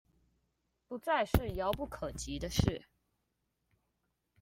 不再是遙不可及的事